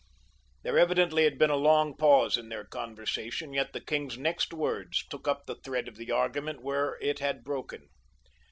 There evidently had been a long pause in their conversation, yet the king's next words took up the thread of their argument where it had broken.